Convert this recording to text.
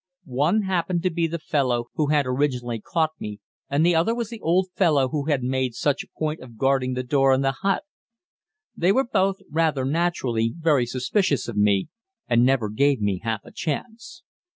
One happened to be the fellow who had originally caught me and the other was the old fellow who had made such a point of guarding the door in the hut. They were both, rather naturally, very suspicious of me and never gave me half a chance.